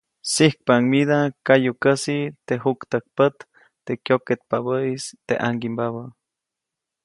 Sijkpaʼuŋ mida kayukäsi teʼ juktäjkpät, teʼ kyoketpabäʼis teʼ ʼaŋgiʼmbabä.